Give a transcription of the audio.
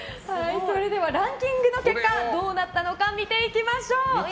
ランキングの結果どうなったのか見ていきましょう。